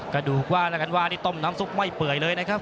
กระดูกว่าแล้วกันว่านี่ต้มน้ำซุปไม่เปื่อยเลยนะครับ